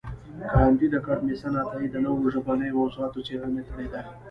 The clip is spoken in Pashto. کانديد اکاډميسن عطايي د نوو ژبنیو موضوعاتو څېړنه کړې ده.